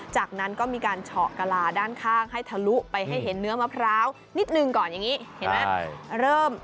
จากนั้นก็มีการเฉาะกะลาด้านข้างให้ทะลุไปให้เห็นเนื้อมะพร้าวนิดหนึ่งก่อนอย่างนี้เห็นไหม